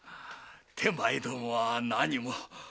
手前どもは何も。